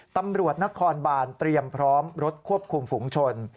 ตำรวจนครบานเตรียมพร้อมรถควบคุมฝุงชน